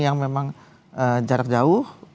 yang memang jarak jauh